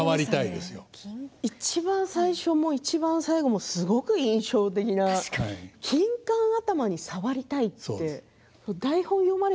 いちばん最初のいちばん最後もすごく印象的な「きんかん頭、触りたい」